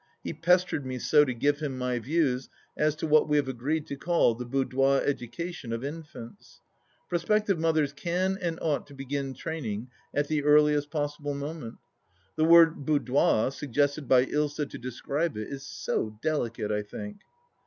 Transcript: He pestered me so to give him my views as to what we have agreed to call the Boudoir Educa tion of Infants. Prospective mothers can and ought to begin training at the earliest possible moment. The word Boudoir, suggested by Ilsa to describe it, is so delicate, I think.